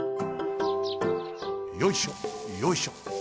よいしょよいしょ。